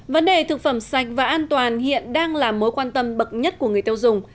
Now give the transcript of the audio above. vấn đề thực phẩm sạch và an toàn hiện đang là mối quan tâm bậc nhất của người tiêu dùng